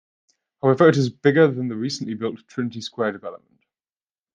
However, it is bigger than the recently built Trinity Square development.